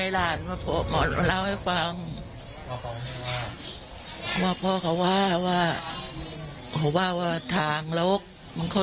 และเป็นการที่ฉลาดหลักหนัก